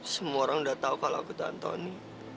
semua orang udah tau kalau aku tuh antoni